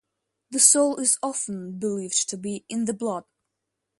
The soul is often believed to be in the blood.